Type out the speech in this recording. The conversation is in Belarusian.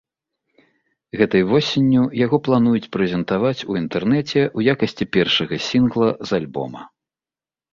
Гэтай восенню яго плануюць прэзентаваць у інтэрнэце ў якасці першага сінгла з альбома.